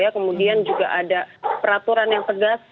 kemudian juga ada peraturan yang tegas